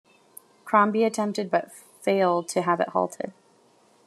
Crombie attempted but failed to have it halted.